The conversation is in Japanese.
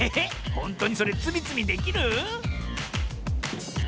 ほんとにそれつみつみできる？